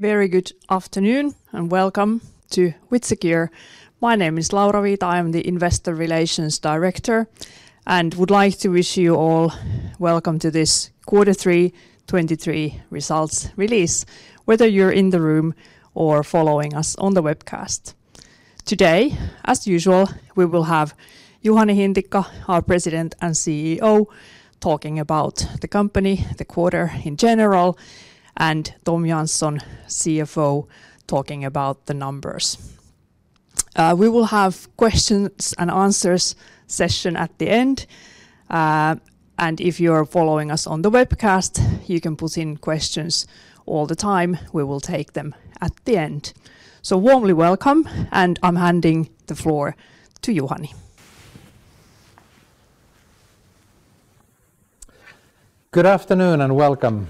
Very good afternoon, and welcome to WithSecure. My name is Laura Viita. I'm the Investor Relations Director, and would like to wish you all welcome to this Quarter Three 2023 Results Release, whether you're in the room or following us on the webcast. Today, as usual, we will have Juhani Hintikka, our President and CEO, talking about the company, the quarter in general, and Tom Jansson, CFO, talking about the numbers. We will have questions and answers session at the end, and if you're following us on the webcast, you can put in questions all the time. We will take them at the end. So warmly welcome, and I'm handing the floor to Juhani. Good afternoon, and welcome.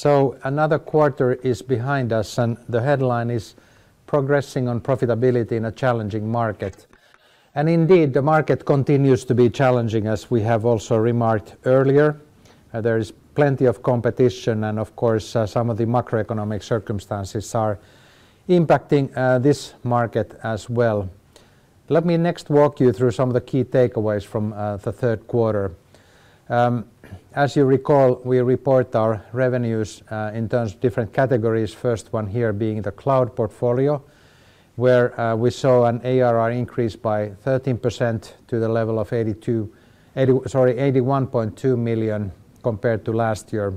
So another quarter is behind us, and the headline is Progressing on Profitability in a Challenging Market. Indeed, the market continues to be challenging, as we have also remarked earlier. There is plenty of competition, and of course, some of the macroeconomic circumstances are impacting this market as well. Let me next walk you through some of the key takeaways from the third quarter. As you recall, we report our revenues in terms of different categories. First one here being the cloud portfolio, where we saw an ARR increase by 13% to the level of 82, 80, sorry, 81.2 million compared to last year.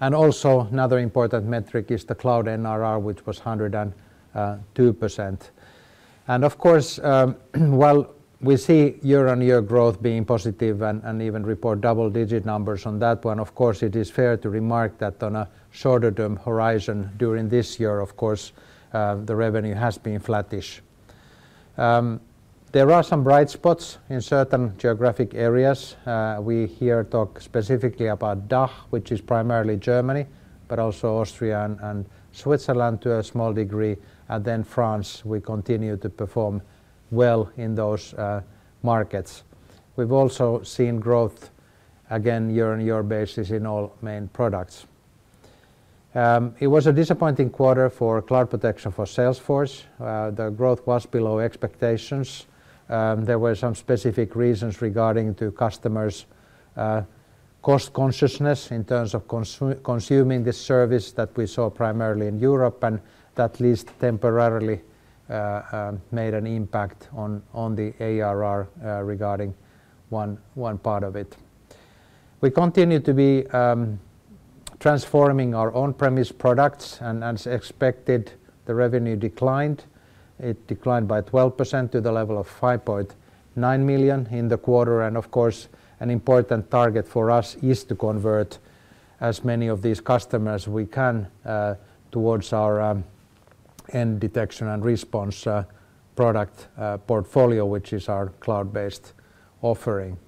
Also, another important metric is the cloud NRR, which was 102%. Of course, while we see year-on-year growth being positive and even report double-digit numbers on that one, of course, it is fair to remark that on a shorter term horizon during this year, of course, the revenue has been flattish. There are some bright spots in certain geographic areas. We here talk specifically about DACH, which is primarily Germany, but also Austria and Switzerland to a small degree, and then France. We continue to perform well in those markets. We've also seen growth again, year-on-year basis in all main products. It was a disappointing quarter for Cloud Protection for Salesforce. The growth was below expectations. There were some specific reasons regarding to customers' cost consciousness in terms of consuming this service that we saw primarily in Europe, and that at least temporarily made an impact on the ARR regarding one part of it. We continue to be transforming our on-premise products, and as expected, the revenue declined. It declined by 12% to the level of 5.9 million in the quarter, and of course, an important target for us is to convert as many of these customers we can towards our endpoint detection and response product portfolio, which is our cloud-based offering.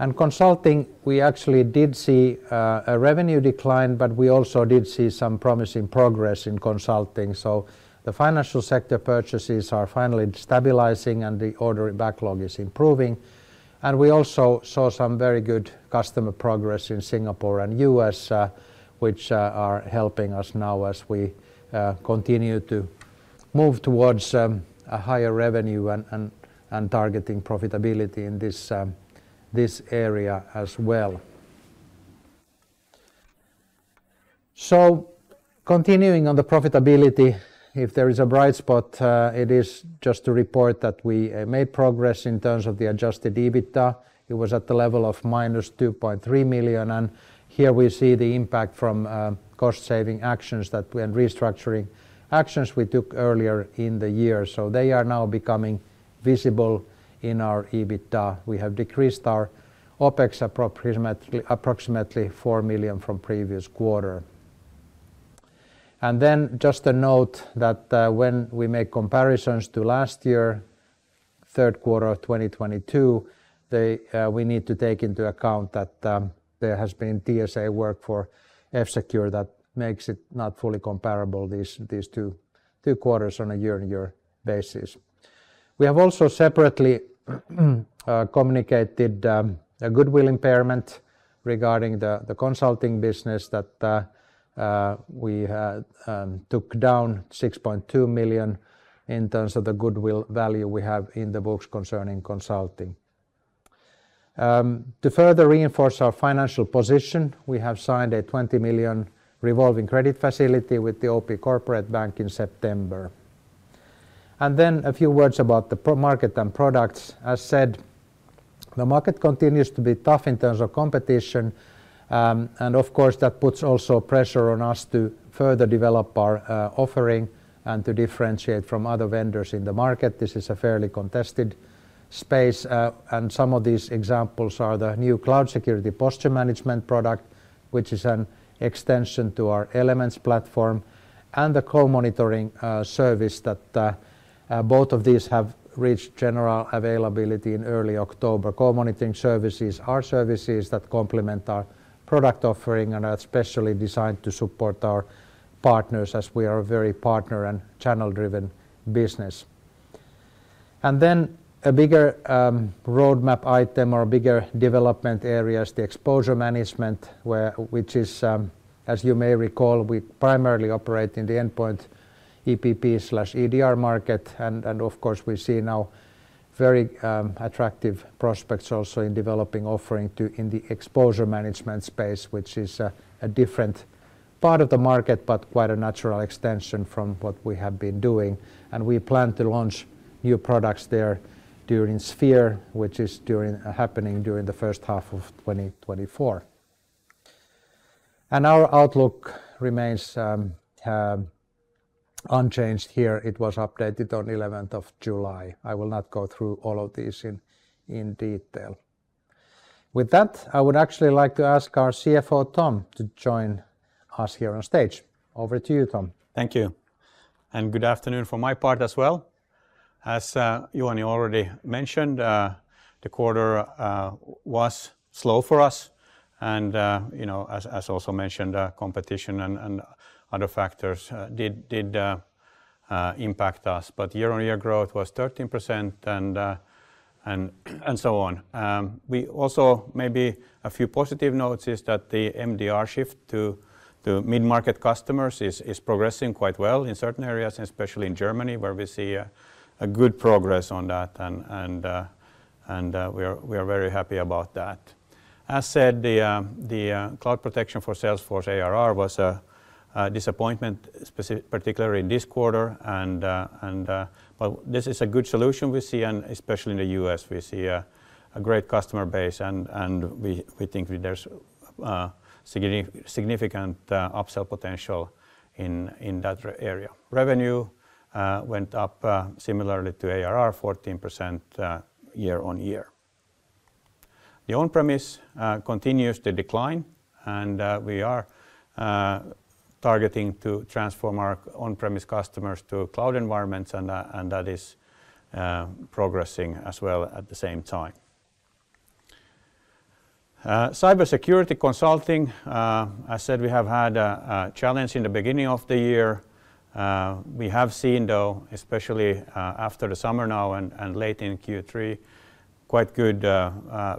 In consulting, we actually did see a revenue decline, but we also did see some promising progress in consulting, so the financial sector purchases are finally stabilizing, and the order backlog is improving. And we also saw some very good customer progress in Singapore and U.S., which are helping us now as we continue to move towards a higher revenue and, and, and targeting profitability in this area as well. So continuing on the profitability, if there is a bright spot, it is just to report that we made progress in terms of the adjusted EBITDA. It was at the level of -2.3 million, and here we see the impact from cost-saving actions that we, and restructuring actions we took earlier in the year, so they are now becoming visible in our EBITDA. We have decreased our OpEx approximately, approximately 4 million from previous quarter. And then just a note that, when we make comparisons to last year, third quarter of 2022, they, we need to take into account that, there has been TSA work for F-Secure. That makes it not fully comparable, these, these two, two quarters on a year-on-year basis. We have also separately, communicated, a goodwill impairment regarding the, the consulting business that, we had, took down 6.2 million in terms of the goodwill value we have in the books concerning consulting. To further reinforce our financial position, we have signed a 20 million revolving credit facility with the OP Corporate Bank in September. And then a few words about the product market and products. As said, the market continues to be tough in terms of competition, and of course, that puts also pressure on us to further develop our offering and to differentiate from other vendors in the market. This is a fairly contested space, and some of these examples are the new Cloud Security Posture Management product, which is an extension to our Elements platform, and the Co-Monitoring service that both of these have reached general availability in early October. Co-Monitoring services are services that complement our product offering and are especially designed to support our partners, as we are a very partner- and channel-driven business. And then a bigger roadmap item or bigger development area is the Exposure Management, which is, as you may recall, we primarily operate in the endpoint EPP/EDR market. Of course, we see now very attractive prospects also in developing offering to in the Exposure Management space, which is a different part of the market, but quite a natural extension from what we have been doing. We plan to launch new products there during Sphere, which is happening during the first half of 2024. Our outlook remains unchanged here. It was updated on eleventh of July. I will not go through all of these in detail. With that, I would actually like to ask our CFO, Tom, to join us here on stage. Over to you, Tom. Thank you, and good afternoon from my part as well. As Juhani already mentioned, the quarter was slow for us, and you know, as also mentioned, competition and other factors did impact us. But year-on-year growth was 13%, and so on. We also maybe a few positive notes is that the MDR shift to mid-market customers is progressing quite well in certain areas, and especially in Germany, where we see a good progress on that, and we are very happy about that. As said, the Cloud Protection for Salesforce ARR was a disappointment, specifically particularly in this quarter. And, but this is a good solution we see, and especially in the U.S., we see a great customer base, and we think there's significant upsell potential in that area. Revenue went up similarly to ARR, 14% year-on-year. The on-premise continues to decline, and we are targeting to transform our on-premise customers to cloud environments, and that is progressing as well at the same time. Cybersecurity consulting, I said we have had a challenge in the beginning of the year. We have seen, though, especially after the summer now and late in Q3, quite good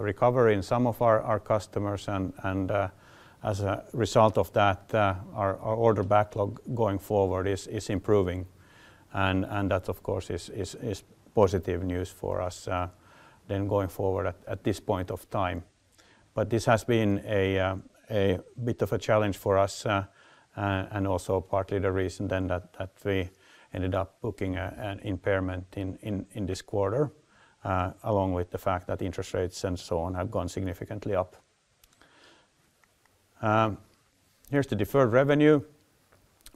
recovery in some of our customers. And as a result of that, our order backlog going forward is improving. And that, of course, is positive news for us, then going forward at this point of time. But this has been a bit of a challenge for us, and also partly the reason then that we ended up booking an impairment in this quarter, along with the fact that interest rates and so on have gone significantly up. Here's the deferred revenue.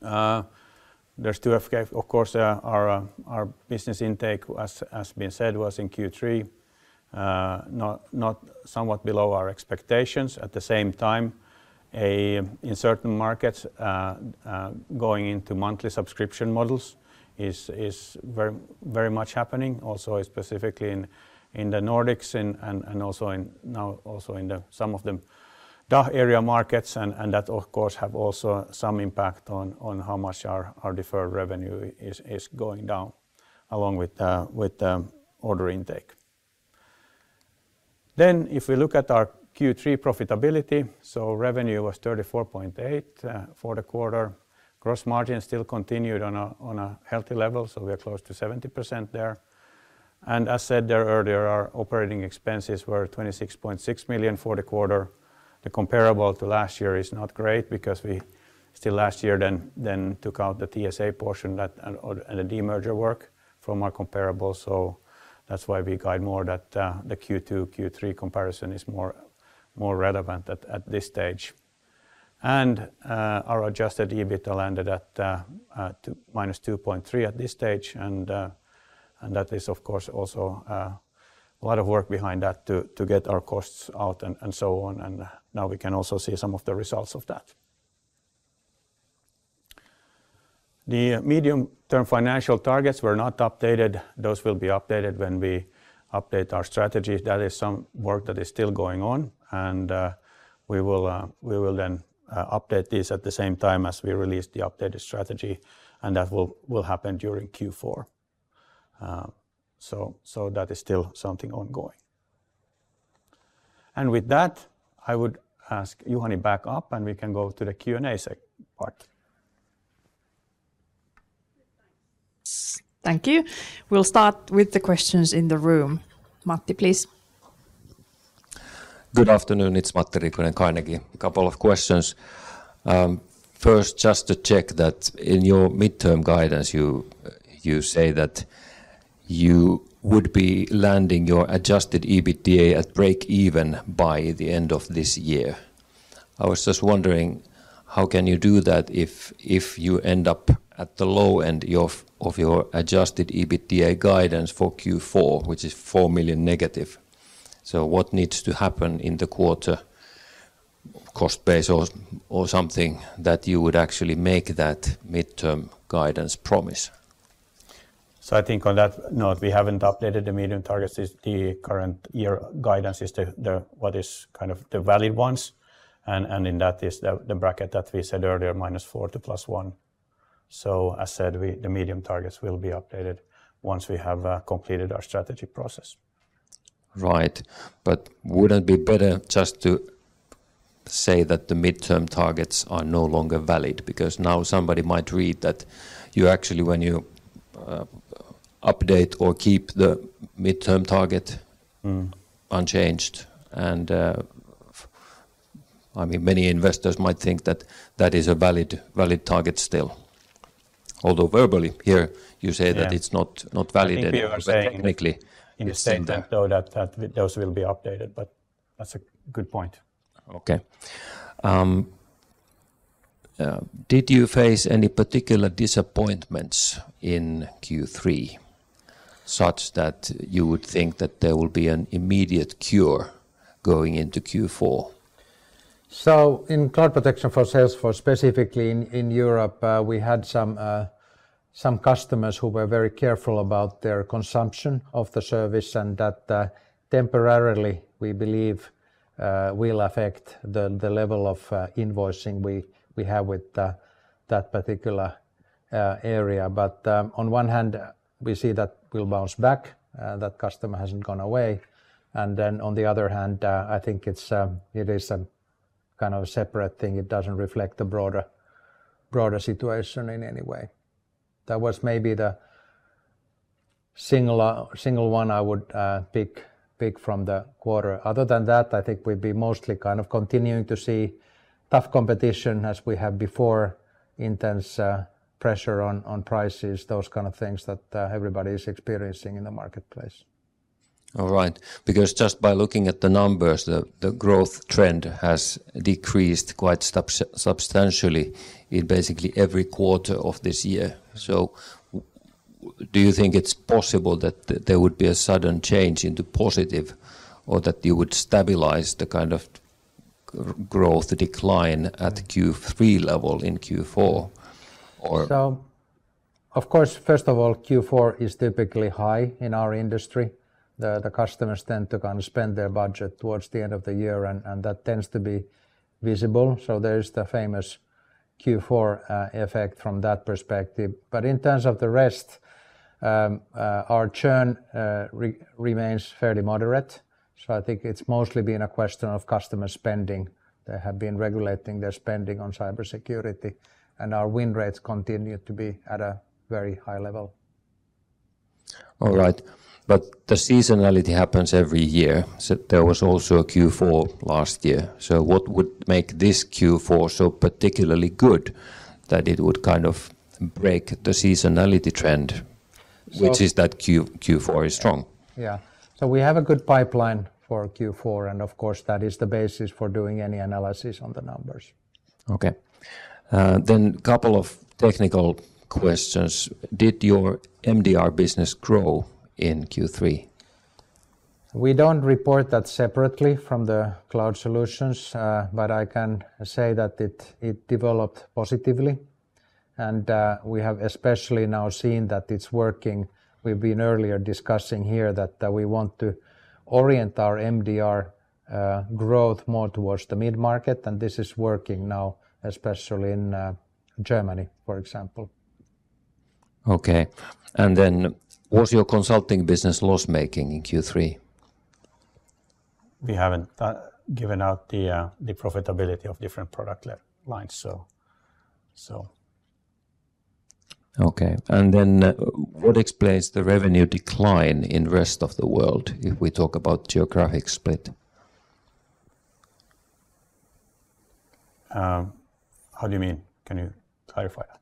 There's of course our business intake, as has been said, was in Q3 not somewhat below our expectations. At the same time, in certain markets, going into monthly subscription models is very much happening. Also specifically in the Nordics and also in some of the DACH area markets, and that, of course, has also some impact on how much our deferred revenue is going down, along with order intake. Then if we look at our Q3 profitability, so revenue was 34.8 million for the quarter. Gross margin still continued on a healthy level, so we are close to 70% there. And as said there earlier, our operating expenses were 26.6 million for the quarter. The comparable to last year is not great because we still last year then took out the TSA portion that and the demerger work from our comparable. So that's why we guide more that the Q2, Q3 comparison is more relevant at this stage. And our adjusted EBITDA landed at -2.3 at this stage, and that is, of course, also a lot of work behind that to get our costs out and so on. And now we can also see some of the results of that. The medium-term financial targets were not updated. Those will be updated when we update our strategy. That is some work that is still going on, and we will then update this at the same time as we release the updated strategy, and that will happen during Q4. So that is still something ongoing. With that, I would ask Juhani back up, and we can go to the Q&A second part. Thank you. We'll start with the questions in the room. Matti, please. Good afternoon. It's Matti Riikonen, Carnegie. A couple of questions. First, just to check that in your midterm guidance, you, you say that you would be landing your adjusted EBITDA at breakeven by the end of this year. I was just wondering, how can you do that if, if you end up at the low end of your, of your adjusted EBITDA guidance for Q4, which is -4 million? So what needs to happen in the quarter, cost base or, or something, that you would actually make that midterm guidance promise? So I think on that note, we haven't updated the medium targets. The current year guidance is what is kind of the valid ones, and in that is the bracket that we said earlier, -4 to +1.... So as said, the medium targets will be updated once we have completed our strategy process. Right. But wouldn't it be better just to say that the midterm targets are no longer valid? Because now somebody might read that you actually, when you, update or keep the midterm target- Mm... unchanged, and I mean, many investors might think that that is a valid, valid target still. Although verbally here, you say- Yeah... that it's not valid- I think we are saying- Technically, it's in there.... in the statement, though, that, that those will be updated, but that's a good point. Okay. Did you face any particular disappointments in Q3, such that you would think that there will be an immediate cure going into Q4? So in Cloud Protection for Salesforce, specifically in Europe, we had some customers who were very careful about their consumption of the service, and that temporarily, we believe, will affect the level of invoicing we have with that particular area. But on one hand, we see that we'll bounce back, that customer hasn't gone away, and then on the other hand, I think it's it is kind of a separate thing. It doesn't reflect the broader situation in any way. That was maybe the singular single one I would pick from the quarter. Other than that, I think we'd be mostly kind of continuing to see tough competition as we have before, intense pressure on prices, those kind of things that everybody is experiencing in the marketplace. All right. Because just by looking at the numbers, the growth trend has decreased quite substantially in basically every quarter of this year. So do you think it's possible that there would be a sudden change into positive, or that you would stabilize the kind of growth decline at Q3 level in Q4, or- So, of course, first of all, Q4 is typically high in our industry. The customers tend to kind of spend their budget towards the end of the year, and that tends to be visible. So there is the famous Q4 effect from that perspective. But in terms of the rest, our churn remains fairly moderate, so I think it's mostly been a question of customer spending. They have been regulating their spending on cybersecurity, and our win rates continue to be at a very high level. All right. But the seasonality happens every year, so there was also a Q4 last year. So what would make this Q4 so particularly good that it would kind of break the seasonality trend? So-... which is that Q4 is strong? Yeah. So we have a good pipeline for Q4, and of course, that is the basis for doing any analysis on the numbers. Okay. Couple of technical questions: Did your MDR business grow in Q3? We don't report that separately from the cloud solutions, but I can say that it developed positively, and we have especially now seen that it's working. We've been earlier discussing here that we want to orient our MDR growth more towards the mid-market, and this is working now, especially in Germany, for example. Okay. And then was your consulting business loss-making in Q3? We haven't given out the profitability of different product lines, so... Okay, and then, what explains the revenue decline in rest of the world, if we talk about geographic split? How do you mean? Can you clarify that?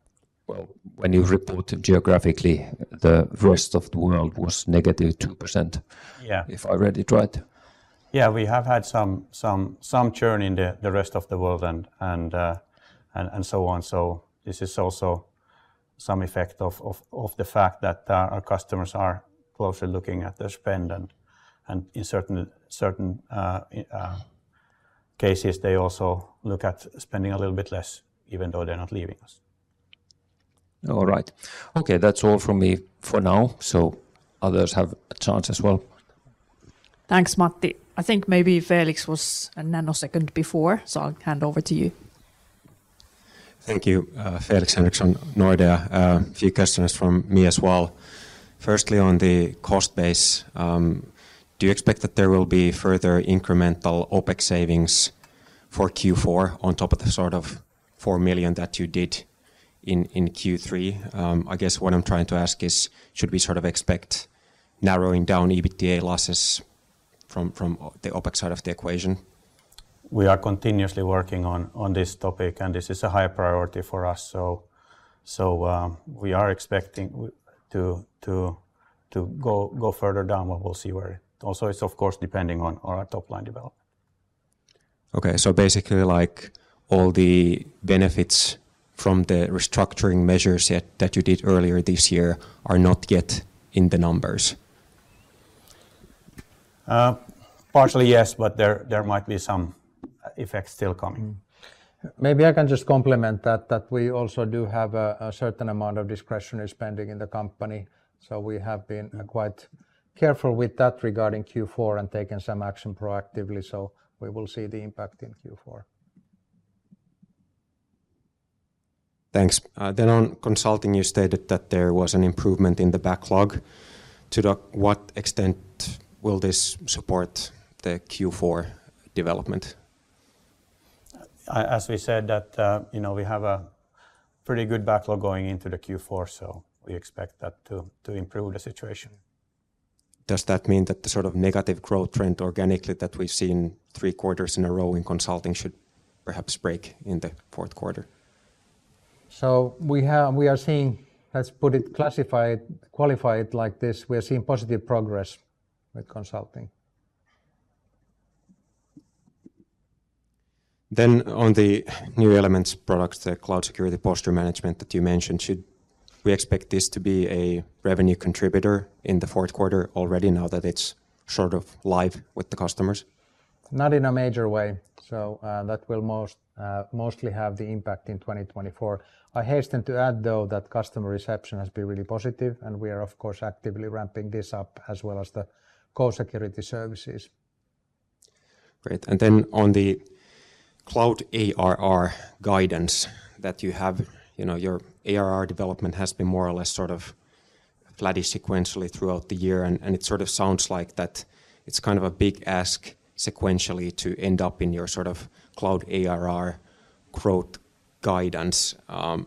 Well, when you report geographically, the rest of the world was -2%. Yeah. If I read it right. Yeah, we have had some churn in the rest of the world and so on. So this is also some effect of the fact that our customers are closely looking at their spend, and in certain cases, they also look at spending a little bit less, even though they're not leaving us. All right. Okay, that's all from me for now, so others have a chance as well. Thanks, Matti. I think maybe Felix was a nanosecond before, so I'll hand over to you. Thank you. Felix Henriksson, Nordea. A few questions from me as well. Firstly, on the cost base, do you expect that there will be further incremental OpEx savings for Q4 on top of the sort of 4 million that you did in Q3? I guess what I'm trying to ask is, should we sort of expect narrowing down EBITDA losses from the OpEx side of the equation? We are continuously working on this topic, and this is a high priority for us, so we are expecting to go further down, but we'll see where. Also, it's of course depending on our top-line development. Okay, so basically, like, all the benefits from the restructuring measures that you did earlier this year are not yet in the numbers? Partially yes, but there, there might be some effects still coming. Maybe I can just complement that, that we also do have a certain amount of discretionary spending in the company, so we have been quite careful with that regarding Q4 and taking some action proactively, so we will see the impact in Q4. Thanks. Then on consulting, you stated that there was an improvement in the backlog. To what extent will this support the Q4 development? As we said, that you know, we have a pretty good backlog going into the Q4, so we expect that to improve the situation. Does that mean that the sort of negative growth trend organically that we've seen three quarters in a row in consulting should perhaps break in the fourth quarter? So we are seeing, let's put it, classify, qualify it like this: we are seeing positive progress with consulting. Then on the new Elements products, the Cloud Security Posture Management that you mentioned, should we expect this to be a revenue contributor in the fourth quarter already, now that it's sort of live with the customers? Not in a major way. So, that will mostly have the impact in 2024. I hasten to add, though, that customer reception has been really positive, and we are, of course, actively ramping this up, as well as the core security services. Great. And then on the cloud ARR guidance that you have, you know, your ARR development has been more or less sort of flattish sequentially throughout the year, and it sort of sounds like that it's kind of a big ask sequentially to end up in your sort of cloud ARR growth guidance.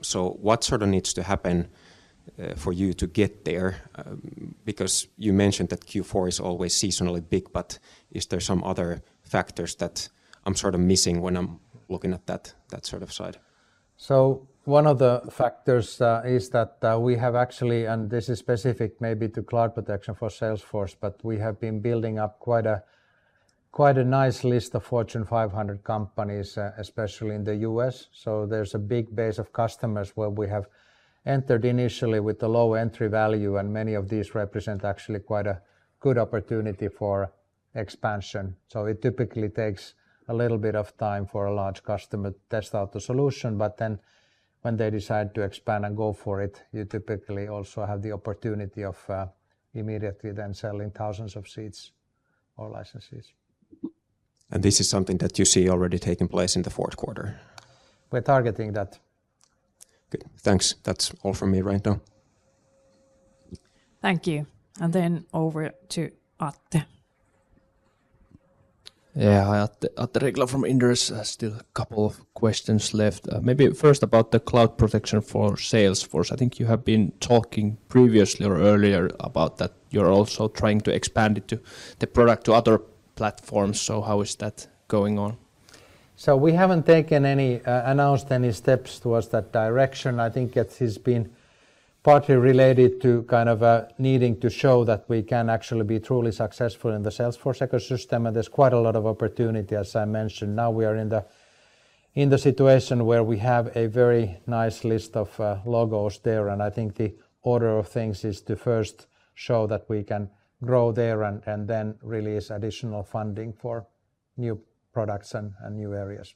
So what sort of needs to happen for you to get there? Because you mentioned that Q4 is always seasonally big, but is there some other factors that I'm sort of missing when I'm looking at that sort of side? So one of the factors is that we have actually, and this is specific maybe to Cloud Protection for Salesforce, but we have been building up quite a, quite a nice list of Fortune 500 companies, especially in the U.S. So there's a big base of customers where we have entered initially with a low entry value, and many of these represent actually quite a good opportunity for expansion. So it typically takes a little bit of time for a large customer to test out the solution, but then when they decide to expand and go for it, you typically also have the opportunity of immediately then selling thousands of seats or licenses. This is something that you see already taking place in the fourth quarter? We're targeting that. Good. Thanks. That's all from me right now. Thank you, and then over to Atte. Yeah, Atte Riikola from Inderes. I still have a couple of questions left. Maybe first about the Cloud Protection for Salesforce. I think you have been talking previously or earlier about that you're also trying to expand it to the product to other platforms. So how is that going on? So we haven't taken any, announced any steps towards that direction. I think it has been partly related to kind of, needing to show that we can actually be truly successful in the Salesforce ecosystem, and there's quite a lot of opportunity, as I mentioned. Now, we are in the situation where we have a very nice list of logos there, and I think the order of things is to first show that we can grow there and then release additional funding for new products and new areas.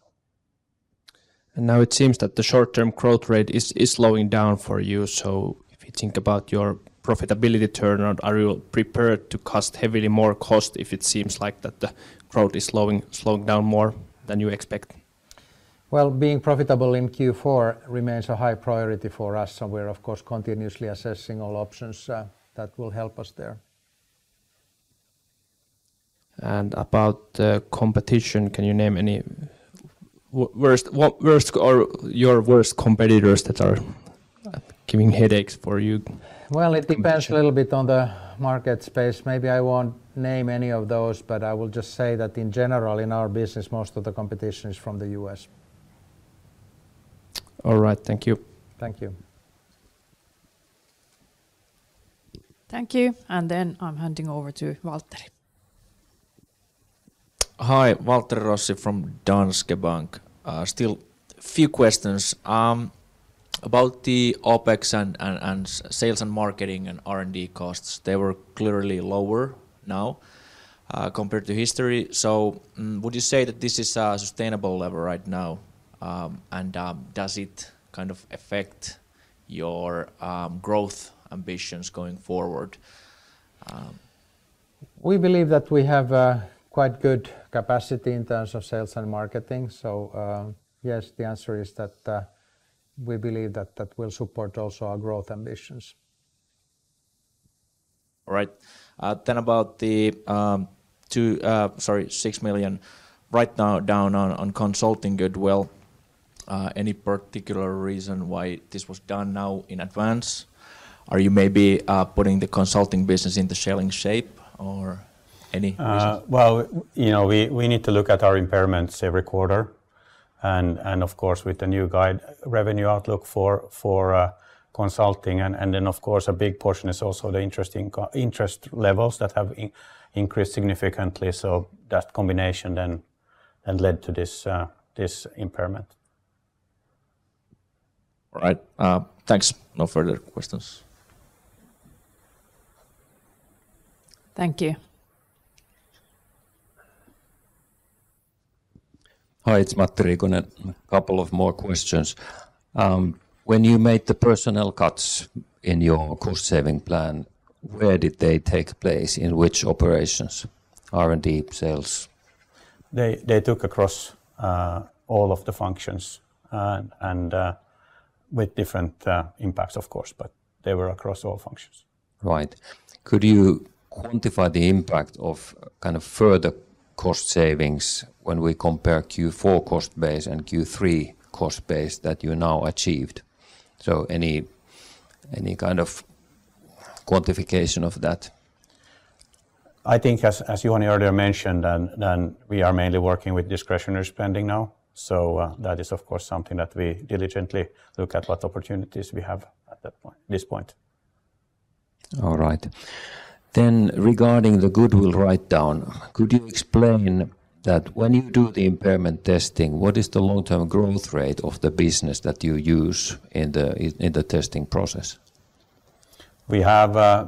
And now it seems that the short-term growth rate is slowing down for you. So if you think about your profitability turnaround, are you prepared to cost heavily more cost if it seems like that the growth is slowing down more than you expect? Well, being profitable in Q4 remains a high priority for us, and we're, of course, continuously assessing all options that will help us there. About the competition, can you name any worst, what worst are your worst competitors that are- Mm... giving headaches for you? Well, it depends a little bit on the market space. Maybe I won't name any of those, but I will just say that in general, in our business, most of the competition is from the U.S. All right. Thank you. Thank you. Thank you, and then I'm handing over to Waltteri. Hi, Waltteri Rossi from Danske Bank. Still few questions. About the OpEx and sales and marketing and R&D costs, they were clearly lower now compared to history. So, would you say that this is a sustainable level right now? And does it kind of affect your growth ambitions going forward? We believe that we have a quite good capacity in terms of sales and marketing, so, yes, the answer is that, we believe that that will support also our growth ambitions. All right. Then about the EUR 6 million write-down on consulting goodwill, any particular reason why this was done now in advance? Are you maybe putting the consulting business in the selling shape or any issues? Well, you know, we need to look at our impairments every quarter, and of course, with the new guide, revenue outlook for consulting. And then, of course, a big portion is also the interesting interest levels that have increased significantly, so that combination then led to this impairment. All right. Thanks. No further questions. Thank you. ... Hi, it's Matti Riikonen. A couple of more questions. When you made the personnel cuts in your cost-saving plan, where did they take place, in which operations? R&D, sales? They took across all of the functions and, with different impacts, of course, but they were across all functions. Right. Could you quantify the impact of kind of further cost savings when we compare Q4 cost base and Q3 cost base that you now achieved? Any, any kind of quantification of that? I think as you already earlier mentioned, and we are mainly working with discretionary spending now, so that is, of course, something that we diligently look at what opportunities we have at that point, this point. All right. Then regarding the goodwill write-down, could you explain that when you do the impairment testing, what is the long-term growth rate of the business that you use in the testing process? We have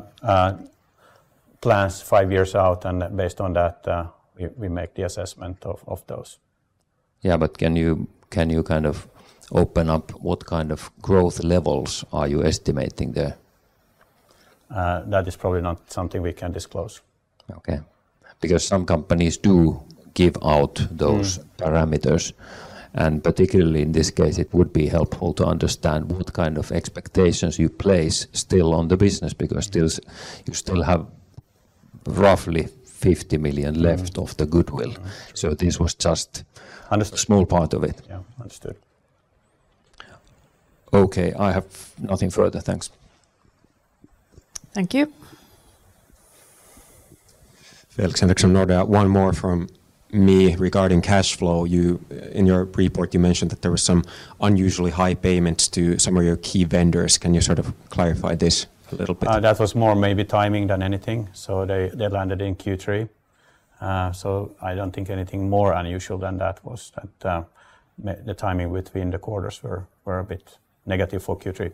plans five years out, and based on that, we make the assessment of those. Yeah, but can you, can you kind of open up what kind of growth levels are you estimating there? That is probably not something we can disclose. Okay. Because some companies do give out those- Mm... parameters, and particularly in this case, it would be helpful to understand what kind of expectations you place still on the business, because still you still have roughly 50 million left- Mm... of the goodwill. Mm. So this was just- Under-... a small part of it. Yeah, understood. Okay, I have nothing further. Thanks. Thank you. Felix, Felix from Nordea. One more from me regarding cash flow. You, in your pre-report, you mentioned that there was some unusually high payments to some of your key vendors. Can you sort of clarify this a little bit? That was more maybe timing than anything, so they landed in Q3. So I don't think anything more unusual than that was that the timing between the quarters were a bit negative for Q3.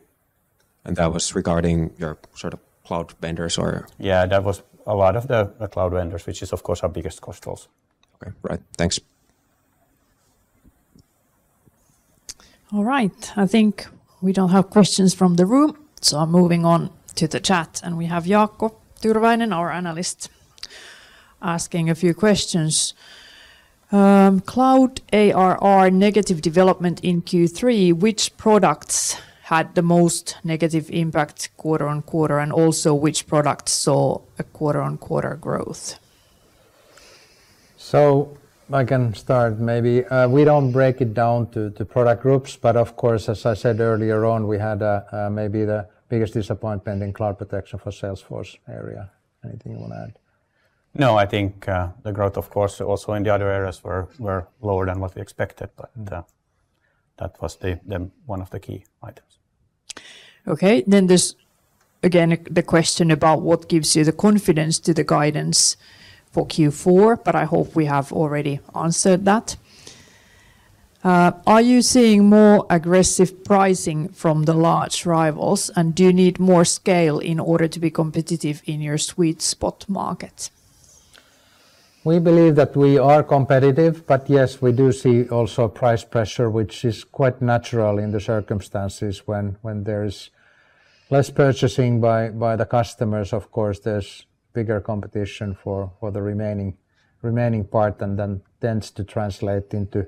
That was regarding your sort of cloud vendors or? Yeah, that was a lot of the cloud vendors, which is, of course, our biggest cost also. Okay. Right. Thanks. All right. I think we don't have questions from the room, so I'm moving on to the chat, and we have Jaakko Tyrväinen, our analyst, asking a few questions. Cloud ARR negative development in Q3, which products had the most negative impact quarter-over-quarter, and also which products saw a quarter-over-quarter growth? So I can start, maybe. We don't break it down to, to product groups, but of course, as I said earlier on, we had, maybe the biggest disappointment in Cloud Protection for Salesforce area. Anything you wanna add? No, I think, the growth, of course, also in the other areas were lower than what we expected, but, that was the one of the key items. Okay, then there's, again, the question about what gives you the confidence to the guidance for Q4, but I hope we have already answered that. Are you seeing more aggressive pricing from the large rivals, and do you need more scale in order to be competitive in your sweet spot market? We believe that we are competitive, but yes, we do see also price pressure, which is quite natural in the circumstances when there's less purchasing by the customers. Of course, there's bigger competition for the remaining part, and then tends to translate into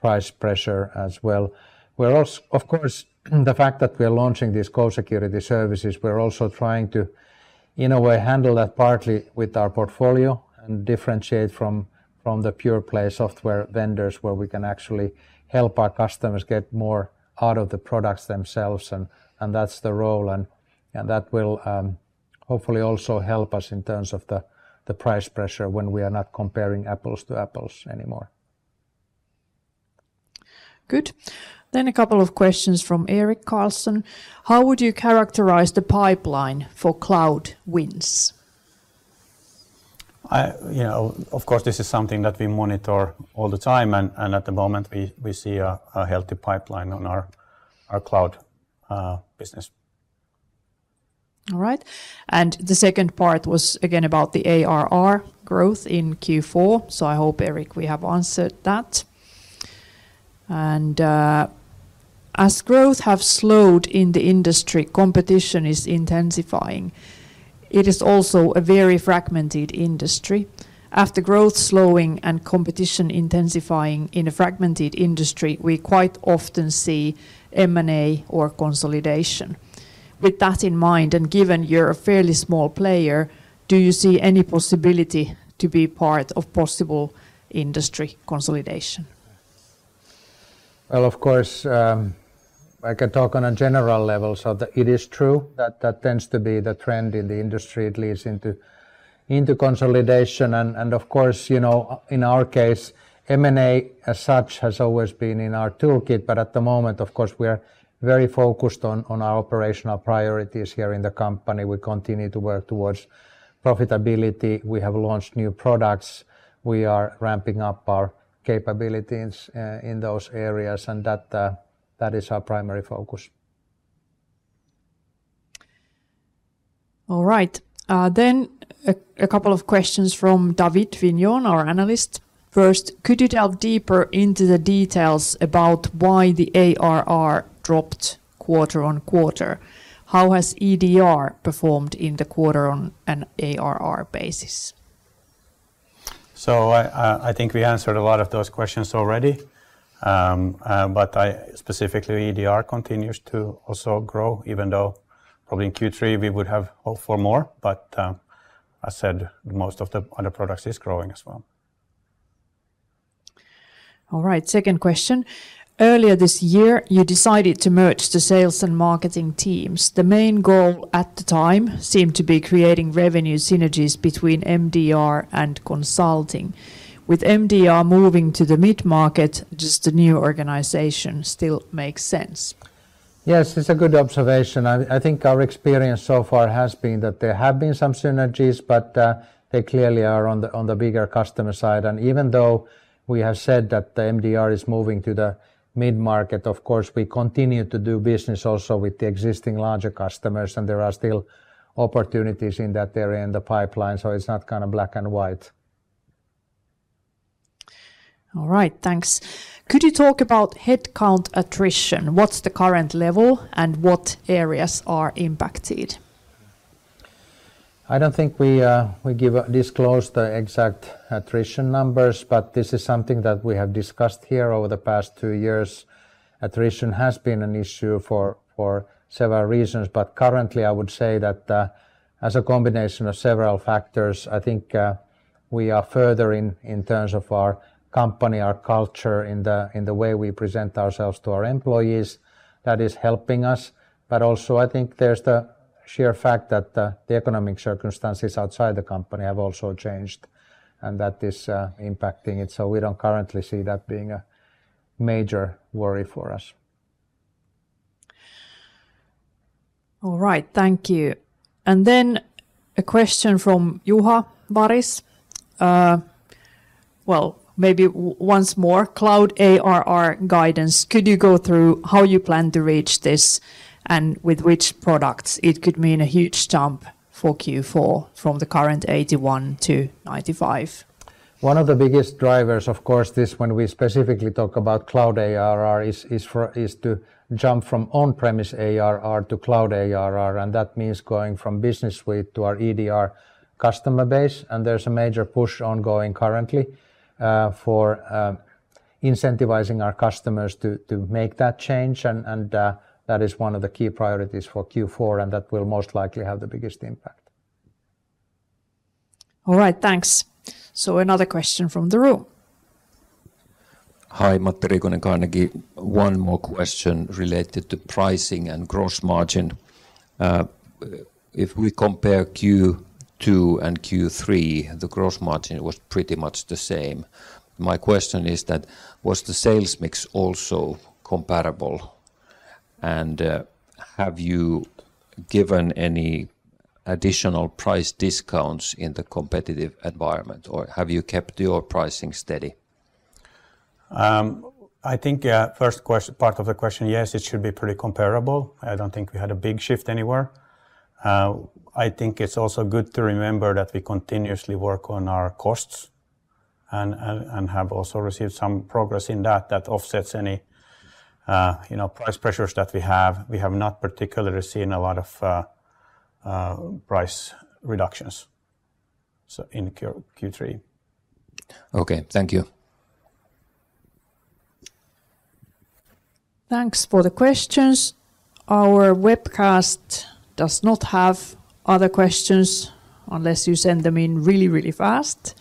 price pressure as well. We're also... Of course, the fact that we are launching these core security services, we're also trying to, in a way, handle that partly with our portfolio and differentiate from the pure-play software vendors, where we can actually help our customers get more out of the products themselves, and that's the role, and that will hopefully also help us in terms of the price pressure when we are not comparing apples to apples anymore. Good. Then a couple of questions from Erik Karlsson. How would you characterize the pipeline for cloud wins? You know, of course, this is something that we monitor all the time, and at the moment, we see a healthy pipeline on our cloud business. All right, and the second part was again about the ARR growth in Q4, so I hope, Erik, we have answered that. And, as growth have slowed in the industry, competition is intensifying. It is also a very fragmented industry. After growth slowing and competition intensifying in a fragmented industry, we quite often see M&A or consolidation. With that in mind, and given you're a fairly small player, do you see any possibility to be part of possible industry consolidation? Well, of course, I can talk on a general level. So the... It is true that that tends to be the trend in the industry. It leads into, into consolidation, and, and of course, you know, in our case, M&A, as such, has always been in our toolkit, but at the moment, of course, we are very focused on, on our operational priorities here in the company. We continue to work towards profitability. We have launched new products. We are ramping up our capabilities in those areas, and that is our primary focus.... All right. Then a couple of questions from David Vignon, our analyst. First, could you delve deeper into the details about why the ARR dropped quarter-over-quarter? How has EDR performed in the quarter on an ARR basis? So I think we answered a lot of those questions already. But specifically, EDR continues to also grow, even though probably in Q3 we would have hoped for more. But I said most of the other products is growing as well. All right, second question: Earlier this year, you decided to merge the sales and marketing teams. The main goal at the time seemed to be creating revenue synergies between MDR and consulting. With MDR moving to the mid-market, does the new organization still make sense? Yes, it's a good observation. I, I think our experience so far has been that there have been some synergies, but they clearly are on the bigger customer side. And even though we have said that the MDR is moving to the mid-market, of course, we continue to do business also with the existing larger customers, and there are still opportunities in that area in the pipeline, so it's not kind of black and white. All right, thanks. Could you talk about headcount attrition? What's the current level, and what areas are impacted? I don't think we disclose the exact attrition numbers, but this is something that we have discussed here over the past two years. Attrition has been an issue for several reasons, but currently I would say that as a combination of several factors, I think we are furthering in terms of our company, our culture, in the way we present ourselves to our employees. That is helping us. But also, I think there's the sheer fact that the economic circumstances outside the company have also changed, and that is impacting it. So we don't currently see that being a major worry for us. All right, thank you. Then a question from Juha Varis. Well, maybe once more, cloud ARR guidance, could you go through how you plan to reach this and with which products? It could mean a huge jump for Q4 from the current 81 to 95. One of the biggest drivers, of course, this when we specifically talk about cloud ARR, is to jump from on-premise ARR to cloud ARR, and that means going from Business Suite to our EDR customer base, and there's a major push ongoing currently for incentivizing our customers to make that change, and that is one of the key priorities for Q4, and that will most likely have the biggest impact. All right, thanks. So another question from the room. Hi, Matti Riikonen, Carnegie. One more question related to pricing and gross margin. If we compare Q2 and Q3, the gross margin was pretty much the same. My question is that, was the sales mix also comparable, and have you given any additional price discounts in the competitive environment, or have you kept your pricing steady? I think, yeah, first part of the question, yes, it should be pretty comparable. I don't think we had a big shift anywhere. I think it's also good to remember that we continuously work on our costs and have also received some progress in that that offsets any, you know, price pressures that we have. We have not particularly seen a lot of price reductions, so in Q3. Okay, thank you. Thanks for the questions. Our webcast does not have other questions, unless you send them in really, really fast.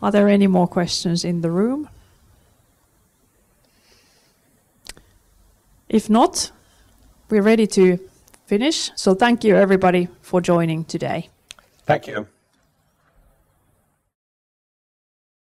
Are there any more questions in the room? If not, we're ready to finish. So thank you, everybody, for joining today. Thank you!